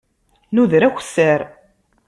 Nuder akessar.